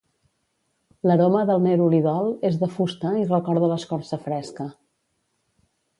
L'aroma del nerolidol és de fusta i recorda a l'escorça fresca.